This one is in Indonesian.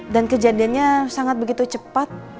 dan kejadiannya sangat begitu cepat